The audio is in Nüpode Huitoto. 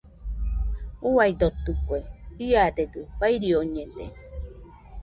Uaidotɨkue, iadedɨ fairioñede.